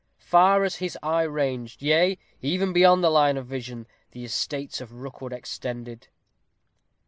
Far as his eye ranged, yea, even beyond the line of vision, the estates of Rookwood extended.